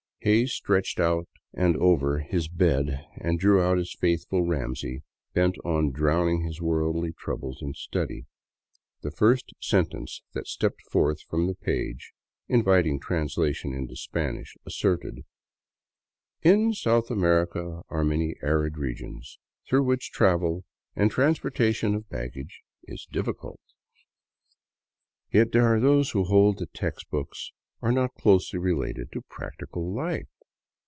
Hays stretched out on — and over — his bed and drew out his faithful Ramsey, bent on drowning his worldly troubles in study. The first sentence that stepped forth from the page, inviting translation into Spanish, asserted: *■* In South America are many arid regions through which travel and ;lie transportation of baggage is difficult." 47 VAGABONDING DOWN THE ANDES Yet there are those who hold that text books are not closely re lated to practical life